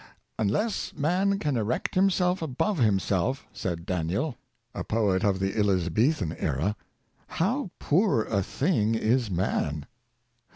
''Un less man can erect himself above himself," said Daniel, a poet of the Elizabethan era, " how poor a thing is man!"